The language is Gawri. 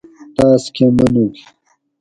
تاسکہ منوگ